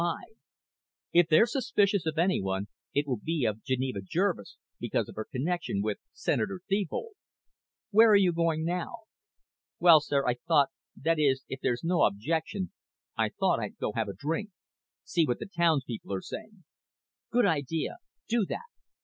If they're suspicious of anyone it will be of Geneva Jervis because of her connection with Senator Thebold. Where are you going now?" "Well, sir, I thought that is, if there's no objection I thought I'd go have a drink. See what the townspeople are saying." "Good idea. Do that."